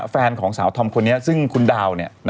แฟนของสาวธอมคนนี้ซึ่งคุณดาว